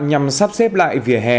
nhằm sắp xếp lại vỉa hè